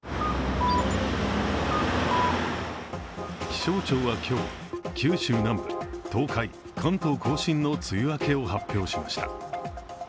気象庁は今日、九州南部、東海、関東甲信の梅雨明けを発表しました。